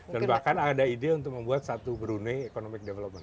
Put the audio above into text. dan bahkan ada ide untuk membuat satu brunei economic development